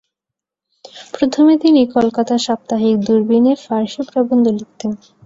প্রথমে তিনি কলকাতার সাপ্তাহিক দুরবীন-এ ফারসি প্রবন্ধ লিখতেন।